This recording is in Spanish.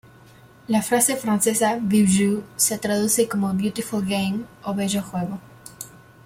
La frase francesa "Beau Jeu" se traduce como "Beautiful Game" o "bello juego".